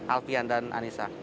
alfian dan anissa